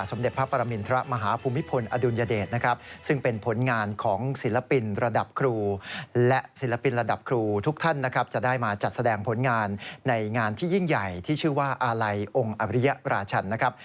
เด็จพระปรมินทรมาฮภูมิพลอดุลยเดชนะครับซึ่งเป็นผลงานของศิลปินระดับครูและศิลปินระดับครูทุกท่านนะครับจะได้มาจัดแสดงผลงานในงานที่ยิ่งใหญ่ที่ชื่อว่าอาลัยองค์อริยราชันนะครับ